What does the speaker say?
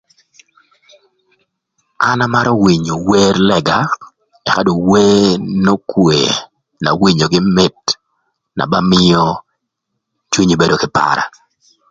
An amarö winyo wer lëga ëka dong wer n'okwee na winyogï mït na ba mïö cwinyi bedo kï para